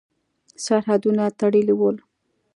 سرحدونه تړلي ول.